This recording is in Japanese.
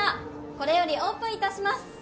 これよりオープンいたします。